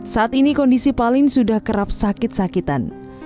saat ini kondisi palim sudah kerap sakit sakitan